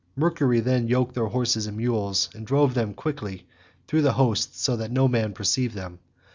Mercury then yoked their horses and mules, and drove them quickly through the host so that no man perceived them.